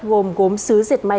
gồm gốm xứ diệt may